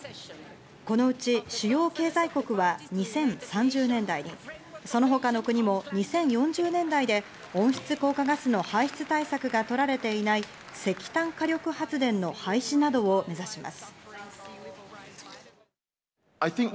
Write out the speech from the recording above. このうち主要経済国は２０３０年代に、その他の国も２０４０年代で温室効果ガスの排出対策が取られていない石炭火力発電の廃止などを目指します。